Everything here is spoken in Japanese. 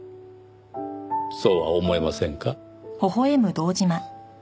そうは思えませんか？